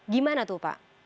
gimana tuh pak